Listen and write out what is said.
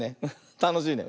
たのしいね。